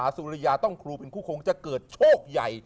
สุริยาต้องครูเป็นคู่คงจะเกิดโชคใหญ่